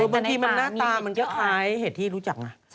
บางทีมันหน้าตามันก็คล้ายเห็ดที่รู้จักไง